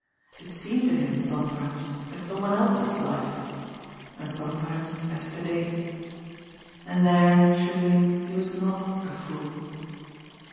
It seemed to him sometimes as some one else's life, and sometimes as to day. And therein, surely, he was not a fool.